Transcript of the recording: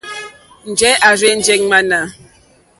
Njɛ̂ à rzênjé ŋmánà.